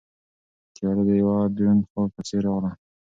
تیاره د یوه دروند خوب په څېر راغله.